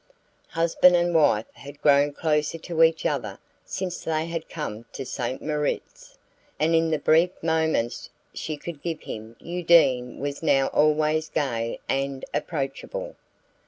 Husband and wife had grown closer to each other since they had come to St. Moritz, and in the brief moments she could give him Undine was now always gay and approachable.